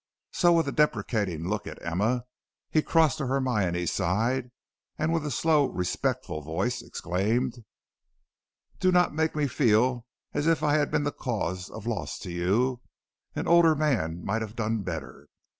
So, with a deprecating look at Emma, he crossed to Hermione's side, and with a slow, respectful voice exclaimed: "Do not make me feel as if I had been the cause of loss to you. An older man might have done better.